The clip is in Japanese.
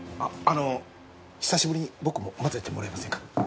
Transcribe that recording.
あの久しぶりに僕も交ぜてもらえませんか？